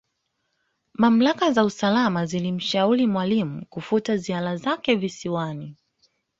Mamlaka za usalama zilimshauri Mwalimu kufuta ziara zake Visiwani